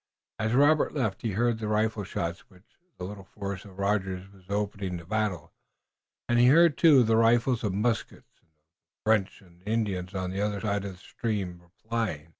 As Robert left he heard the rifle shots with which the little force of Rogers was opening the battle, and he heard, too, the rifles and muskets of the French and Indians on the other side of the stream replying.